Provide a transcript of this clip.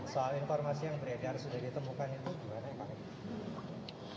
soal informasi yang beredar sudah ditemukan itu gimana ya pak